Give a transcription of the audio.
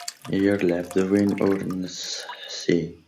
Yir lɛebd d win ur nettsetḥi.